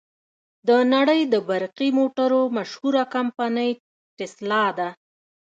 د نړې د برقی موټرو مشهوره کمپنۍ ټسلا ده.